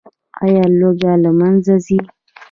آیا لوږه له منځه ځي؟